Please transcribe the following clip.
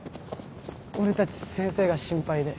俺たち先生が心配で。